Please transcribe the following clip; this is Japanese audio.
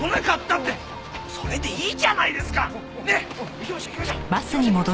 行きましょう行きましょう。